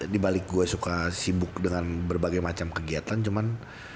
di balik gue suka sibuk dengan berbagai macam kegiatan cuman